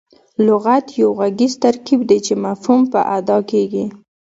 لغت یو ږغیز ترکیب دئ، چي مفهوم په اداء کیږي.